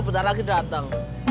bentar lagi dateng